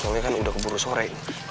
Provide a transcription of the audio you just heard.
soalnya kan udah keburu sore